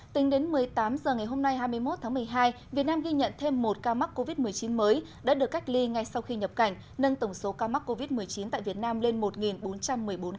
tính đến một mươi tám h ngày hôm nay hai mươi một tháng một mươi hai việt nam ghi nhận thêm một ca mắc covid một mươi chín mới đã được cách ly ngay sau khi nhập cảnh nâng tổng số ca mắc covid một mươi chín tại việt nam lên một bốn trăm một mươi bốn ca